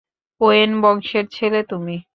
When বংশের ছেলে তুমি।